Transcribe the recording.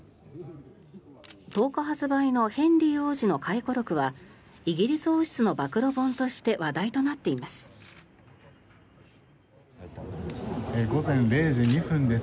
１０日発売のヘンリー王子の回顧録はイギリス王室の暴露本として話題となっています。